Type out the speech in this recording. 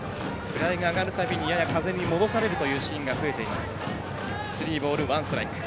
フライが上がるたびに風に押し戻されるというシーンが増えています。